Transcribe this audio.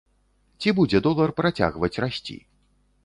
Ці будзе долар працягваць расці?